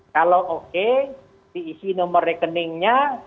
kalau oke diisi nomor rekeningnya